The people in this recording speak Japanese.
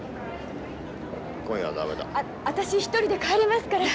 私１人で帰れますから。